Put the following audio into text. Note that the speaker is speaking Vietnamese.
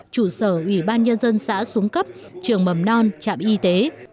trụ sở ủy ban nhân dân xã xuống cấp trường mầm non trạm y tế